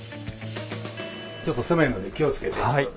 ちょっと狭いので気をつけて来て下さい。